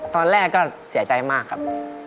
ตอนแรกก็เสียใจมากครับ